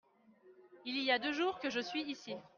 Il y a deux jours que je suis ici.